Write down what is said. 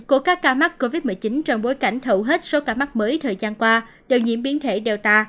của các ca mắc covid một mươi chín trong bối cảnh hầu hết số ca mắc mới thời gian qua đều nhiễm biến thể data